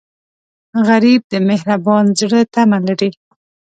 غریب د مهربان زړه تمه لري